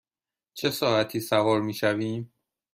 چه ساعتی سوار می شویم؟